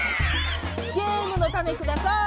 ゲームのタネください。